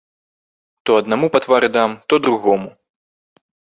То аднаму па твары дам, то другому.